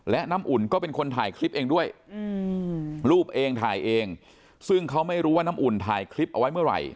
และน้ำอุ่นก็เป็นคนถ่ายคลิปเองด้วยรูปเองถ่ายเองซึ่งเขาไม่รู้ว่าน้ำอุ่นถ่ายคลิปเอาไว้เมื่อไหร่